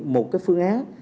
một cái phương án